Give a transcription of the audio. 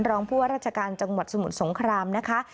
รองผู้ว่าราชการจังหวัดสมุทรสงครามนะคะ